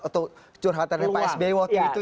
atau curhatannya pak sby waktu itu